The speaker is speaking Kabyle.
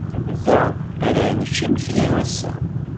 Da ara nečč imekli ass-a.